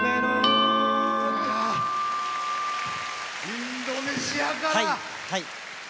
インドネシアから。